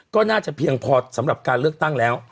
ก็น่าจะเพียงพอสำหรับการเลือกตั้งแล้ว